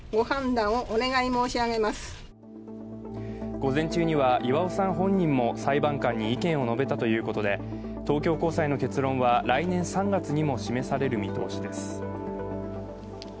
午前中には巌さん本人も裁判官に意見を述べたということで東京高裁の結論は来年３月にも示される見通しです。